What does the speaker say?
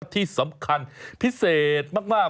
ที่สำคัญพิเศษมาก